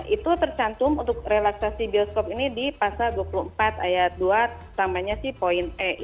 itu tercantum untuk relaksasi bioskop ini di pasal dua puluh empat ayat dua tambahnya si poin e